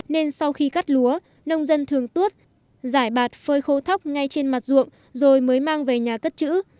nên sau khi cắt lúa nông dân thường tuốt giải bạt phơi khô thóc ngay trên mặt ruộng rồi mới mang về nhà cất chữ